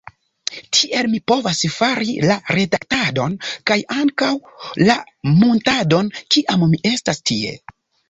Tiel mi povas fari la redaktadon kaj ankaŭ la muntadon, kiam mi estas tie.